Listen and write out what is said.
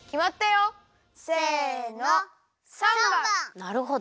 なるほど。